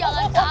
bang kenapa ya